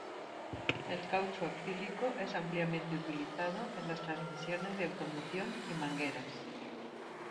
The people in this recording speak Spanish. El caucho acrílico es ampliamente utilizado en las transmisiones de automoción y mangueras.